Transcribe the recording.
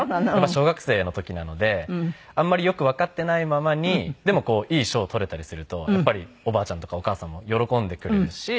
小学生の時なのであんまりよくわかってないままにでもいい賞取れたりするとやっぱりおばあちゃんとかお母さんも喜んでくれるし。